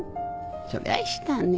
そりゃしたね